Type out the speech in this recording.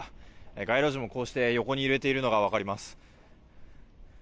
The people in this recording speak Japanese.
街路樹もこうして横に揺れているのが分かります。